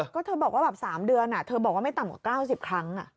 ก็เธอบอกว่าแบบ๓เดือนเธอบอกว่าไม่ต่ำกว่า๙๐ครั้ง